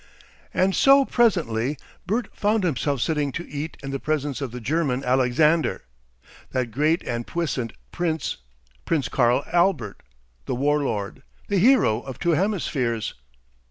And so presently Bert found himself sitting to eat in the presence of the "German Alexander" that great and puissant Prince, Prince Karl Albert, the War Lord, the hero of two hemispheres.